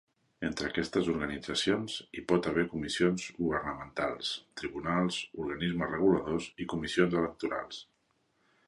Entre aquestes organitzacions hi pot haver comissions governamentals, tribunals, organismes reguladors i comissions electorals.